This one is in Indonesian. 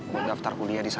gue gaftar kuliah disana